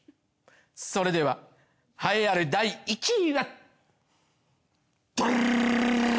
それでは栄えある第１位は。